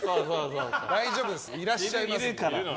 大丈夫です、いらっしゃいます。